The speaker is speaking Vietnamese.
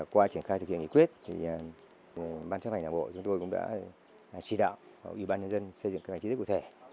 qua triển khai thực hiện nghị quyết thì ban chấp hành đảng bộ chúng tôi cũng đã xây dựng các nghị quyết cụ thể